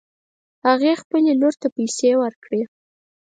هغې خپلې لور ته پیسې ورکړې